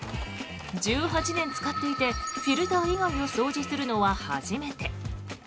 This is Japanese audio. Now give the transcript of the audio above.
１８年使っていてフィルター以外を掃除するのは初めて。